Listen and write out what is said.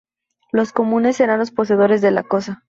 Los comuneros serán los poseedores de la cosa.